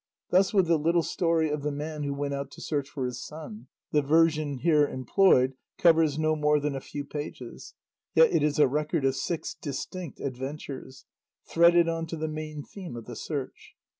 Thus with the little story of the Man who went out to search for his Son; the version here employed covers no more than a few pages, yet it is a record of six distinct adventures, threaded on to the main theme of the search.